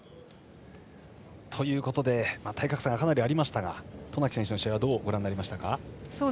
ということで体格差がかなりありましたが渡名喜選手の試合はどうご覧になりましたか？